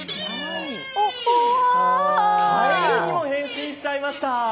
かえるにも変身しちゃいました。